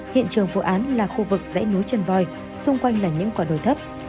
hiện trường vụ án là khu vực dãy núi trần voi xung quanh là những quả đồi thấp